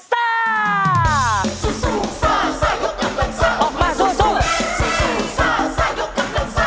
สู้สู้ซ่าซ่ายกกำลังซ่า